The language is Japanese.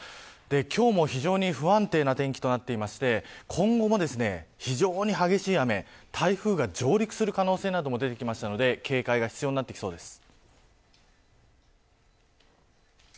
今日も非常に不安定な天気となっていて今後も非常に激しい雨台風が上陸する可能性なども出てきましたので警戒が必要になりそうです。